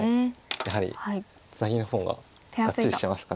やはりツナギの方ががっちりしてますか。